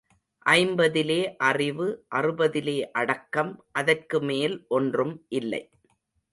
ஐம்பதிலே அறிவு அறுபதிலே அடக்கம் அதற்கு மேல் ஒன்றும் இல்லை.